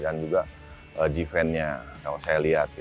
dan juga defense nya kalau saya lihat